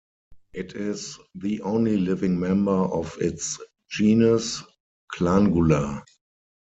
It is the only living member of its genus, "Clangula".